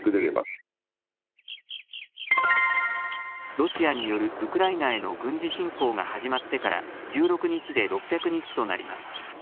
ロシアによるウクライナへの軍事侵攻が始まってから１６日で６００日となります。